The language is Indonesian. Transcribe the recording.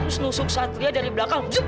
terus nusuk satria dari belakang